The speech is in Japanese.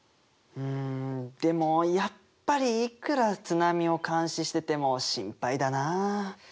うんでもやっぱりいくら津波を監視してても心配だなあ。